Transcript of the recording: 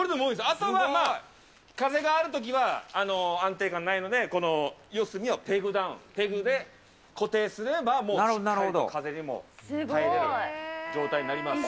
あとは風があるときは、安定感ないので、この四隅をペグで固定すれば、もうしっかり風にも耐えれる状態になります。